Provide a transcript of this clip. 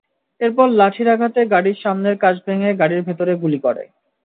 এরপর লাঠির আঘাতে গাড়ির সামনের কাচ ভেঙে গাড়ির ভেতরে গুলি করে।